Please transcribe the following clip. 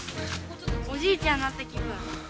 おじいちゃんになった気分。